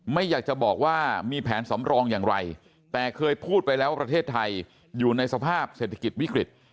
ไม่อยากจะบอกว่ามีแผนสำรองอย่างไรแต่เคยพูดไปแล้วว่าประเทศไทยอยู่ในสภาพเศรษฐกิจวิกฤต